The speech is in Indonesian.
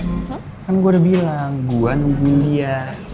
kan gue udah bilang gue nungguin dia